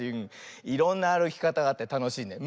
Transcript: いろんなあるきかたがあってたのしいね。